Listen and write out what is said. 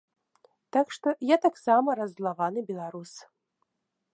Так што, я таксама раззлаваны беларус.